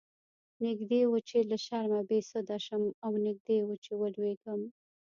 نږدې و چې له شرمه بې سده شم او نږدې و چې ولويږم.